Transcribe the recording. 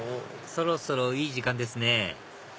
そろそろいい時間ですね